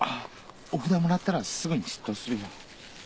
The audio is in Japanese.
お札もらったらすぐに出頭するよ。